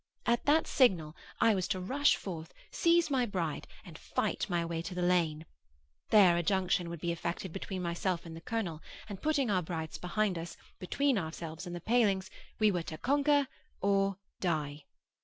At that signal I was to rush forth, seize my bride, and fight my way to the lane. There a junction would be effected between myself and the colonel; and putting our brides behind us, between ourselves and the palings, we were to conquer or die.